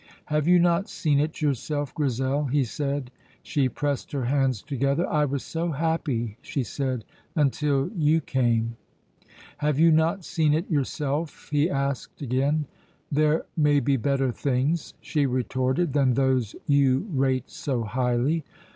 "Have you not seen it yourself, Grizel?" he said. She pressed her hands together. "I was so happy," she said, "until you came!" "Have you not seen it yourself?" he asked again. "There may be better things," she retorted, "than those you rate so highly."